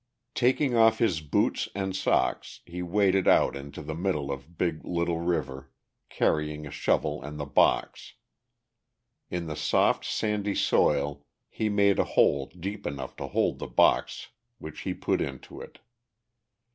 Taking off his boots and socks he waded out into the middle of Big Little River, carrying a shovel and the box. In the soft, sandy soil he made a hole deep enough to hold the box which he put into it.